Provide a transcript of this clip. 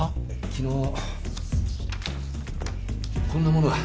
昨日こんなものが。